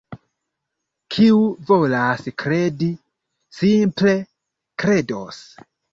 Kiu volas kredi, simple kredos.